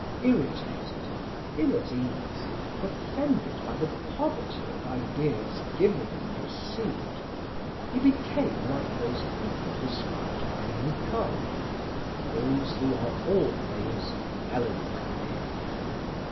Irritated, ill at ease and offended by the poverty of ideas given and received, he became like those people described by Nicole those who are always melancholy.